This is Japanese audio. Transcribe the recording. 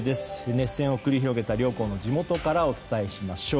熱戦を繰り広げた両校の地元からお伝えいたしましょう。